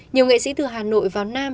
nhiều nghệ sĩ từ hà nội vào nam